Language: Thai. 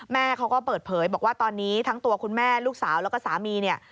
แม่เขาก็เปิดเผยบอกว่าตอนนี้ทั้งตัวคุณแม่ลูกสาวแล้วก็สามีเนี่ย